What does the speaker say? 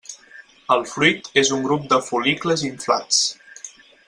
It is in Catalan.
El fruit és un grup de fol·licles inflats.